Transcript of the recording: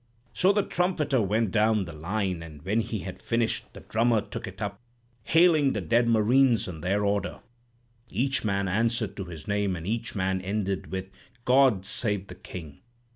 "So the trumpeter went down the line; and when he had finished, the drummer took it up, hailing the dead Marines in their order. Each man answered to his name, and each man ended with 'God save the King!'